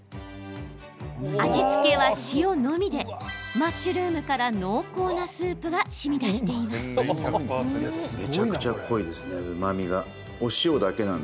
味付けは塩のみでマッシュルームから濃厚なスープがしみ出しています。